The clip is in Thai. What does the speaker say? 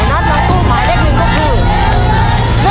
โบนัสหลังตู้หมายเลข๑ก็คือ